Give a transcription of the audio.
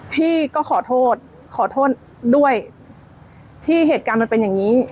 พี่ก็ขอโทษขอโทษด้วยที่เหตุการณ์มันเป็นอย่างนี้